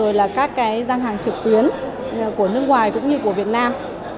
rồi là các cái gian hàng trực tuyến của nước ngoài cũng như của việt nam